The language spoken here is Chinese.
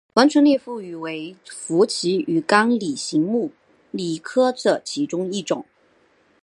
完唇裂腹鱼为辐鳍鱼纲鲤形目鲤科的其中一种。